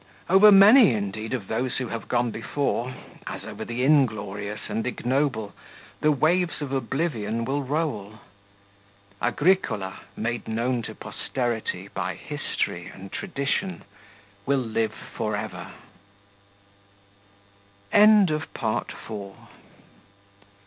Over many indeed, of those who have gone before, as over the inglorious and ignoble, the waves of oblivion will roll; Agricola, made known to posterity by history and tradition, will live for ever.